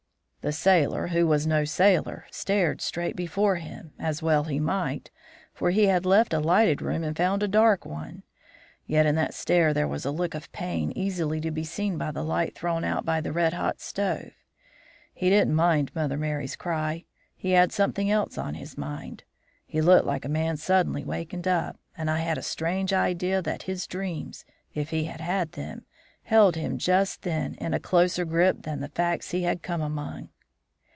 "The sailor, who was no sailor, stared straight before him, as well he might, for he had left a lighted room and found a dark one. Yet in that stare there was a look of pain easily to be seen by the light thrown out by the red hot stove. He didn't mind Mother Merry's cry. He had something else on his mind. He looked like a man suddenly wakened up, and I had a strange idea that his dreams, if he had had them, held him just then in a closer grip than the facts he had come among.